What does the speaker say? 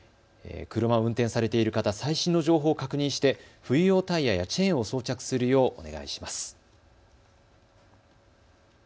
車を運転されている方、最新の情報を確認して冬用タイヤやチェーンを装着するようお願いします。